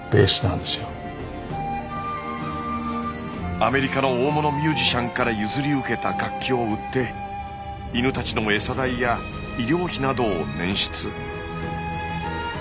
アメリカの大物ミュージシャンから譲り受けた楽器を売って犬たちの餌代や医療費などを捻出。